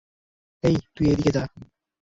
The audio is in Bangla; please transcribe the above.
এই তুই এই দিকে যা।